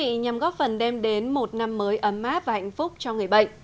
lâm đồng góp phần đem đến một năm mới ấm mát và hạnh phúc cho người bệnh